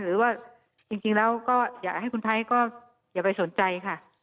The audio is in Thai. หรือว่าจริงแล้วก็อยากให้คุณไทยก็อย่าไปสนใจค่ะ